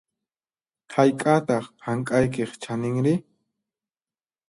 Hayk'ataq hank'aykiq chaninri?